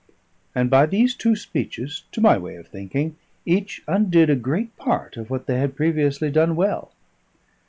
And by these two speeches, to my way of thinking, each undid a great part of what they had previously done well.